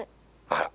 あら。